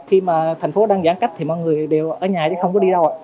khi mà thành phố đang giãn cách thì mọi người đều ở nhà chứ không có đi đâu ạ